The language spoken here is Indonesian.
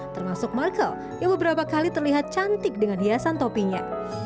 termasuk markle yang beberapa kali terlihat cantik dengan hiasan topinya